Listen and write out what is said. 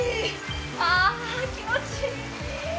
あぁ気持ちいい。